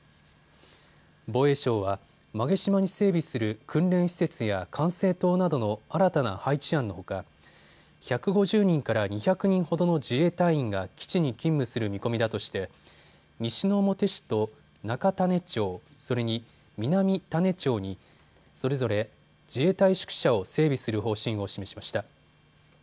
防衛省は馬毛島に整備する訓練施設や管制塔などの新たな配置案のほか１５０人から２００人ほどの自衛隊員が基地に勤務する見込みだとして西之表市と中種子町、それに南種子町にそれぞれ自衛隊宿舎を整備する方針を示しました。